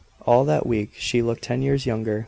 All that week she looked ten years younger.